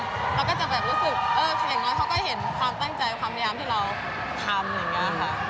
เราก็จะแบบรู้สึกอย่างน้อยเขาก็เห็นความตั้งใจความยามที่เราทำอย่างนี้ค่ะ